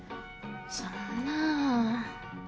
そんなぁ。